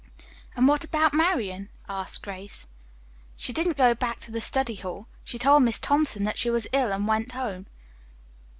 "And what about Marian?" asked Grace. "She didn't go back to the study hall. She told Miss Thompson that she was ill and went home."